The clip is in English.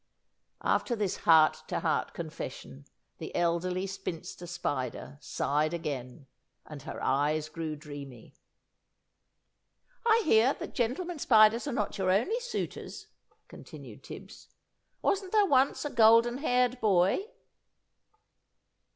After this heart to heart confession, the Elderly Spinster Spider sighed again, and her eyes grew dreamy. "I hear that gentlemen spiders are not your only suitors," continued Tibbs; "wasn't there once a golden haired boy?"